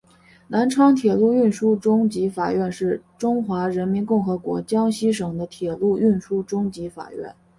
南昌铁路运输中级法院是中华人民共和国江西省的铁路运输中级法院。